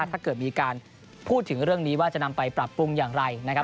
ถ้าเกิดมีการพูดถึงเรื่องนี้ว่าจะนำไปปรับปรุงอย่างไรนะครับ